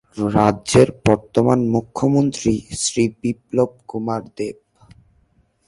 রাজ্যের বর্তমান মুখ্যমন্ত্রী শ্রী বিপ্লব কুমার দেব।